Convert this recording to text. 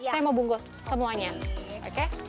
saya mau bungkus semuanya oke